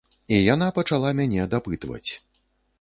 І яна пачала мяне дапытваць.